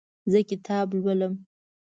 زه کتابونه لولم